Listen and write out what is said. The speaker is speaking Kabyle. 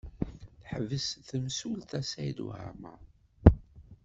Teḥbes temsulta Saɛid Waɛmaṛ.